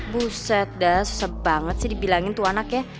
buset dah susah banget sih dibilangin tuh anak ya